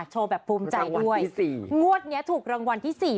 โชว์แบบภูมิใจด้วยมันเป็นรางวัลที่สี่งวดเนี้ยถูกรางวัลที่สี่